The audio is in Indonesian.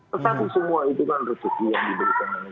tetapi semua itu kan rezeki yang diberikan oleh